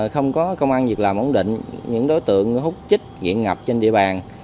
không có công an việc làm ổn định những đối tượng hút chích diện ngập trên địa bàn